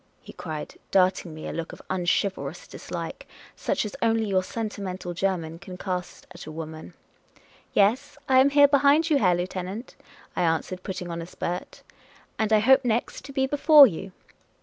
he cried, darting me a look of unchivalrous dislike, such as only your sentimental German can cast at a woman. " Yes, I am here, behind you, Herr Lieutenant," I an swered, putting on a spurt ;" and I hope next to be before you."